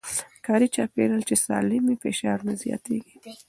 کاري چاپېريال چې سالم وي، فشار نه زياتېږي.